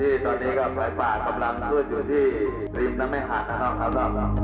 ที่ตอนนี้ก็ไฟป่ากำลังคลื่นอยู่ที่ริมนะครับ